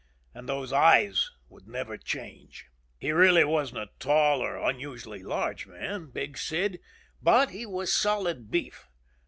And those eyes would never change. He really wasn't a tall or unusually large man, Big Sid. But he was solid beef.